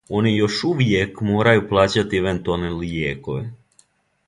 Они још увијек морају плаћати евентуалне лијекове.